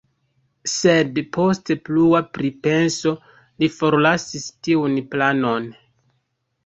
Sed post plua pripenso li forlasis tiun planon.